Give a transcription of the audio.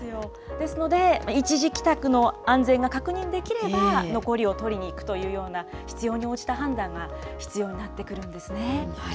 ですので、一時帰宅の安全が確認できれば、残りを取りに行くというような必要に応じた判断が必要になってくるんですね。